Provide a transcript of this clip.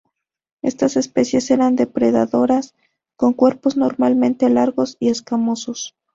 Estas especies eran depredadoras, con cuerpos normalmente largos y escamosos.